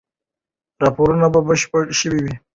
راپور به بشپړ شوی وي.